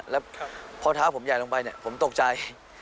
แล้วพอเท้าผมใหญ่ลงไปเนี่ยผมตกใจ